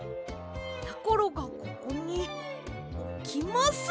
やころがここにおきます！